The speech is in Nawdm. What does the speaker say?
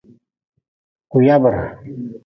Kuyabre.